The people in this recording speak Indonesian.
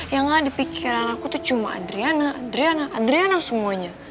yang ada di pikiran aku tuh cuma adriana adriana adriana semuanya